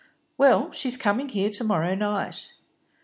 "Well, she's coming here to morrow night."